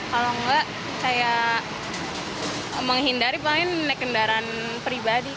kalau enggak kayak menghindari paling naik kendaraan pribadi